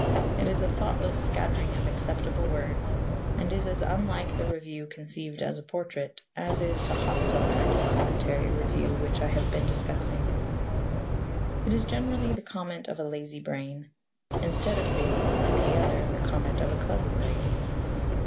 It is a thoughtless scattering of acceptable words and is as unlike the review conceived as a portrait as is the hostile kind of commentatory review which I have been discussing. It is generally the comment of a lazy brain, instead of being, like the other, the comment of a clever brain.